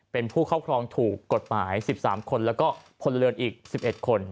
เป็นผู้ครอบครองถูกกฎหมาย๑๓คนแล้วก็พลเรือนอีก๑๑คน